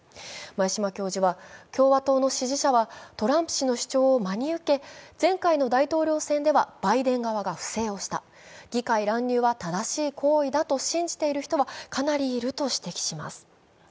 前嶋教授は共和党の支持者はトランプ氏の主張を真に受け前回の大統領選ではバイデン側が不正をした、議会乱入は正しい行為だと信じている人はかなりいると指摘します。